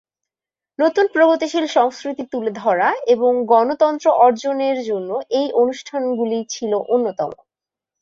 নতুন প্রগতিশীল সংস্কৃতি তুলে ধরা এবং গণতন্ত্র অর্জনের জন্য এই অনুষ্ঠানগুলি ছিল অন্যতম।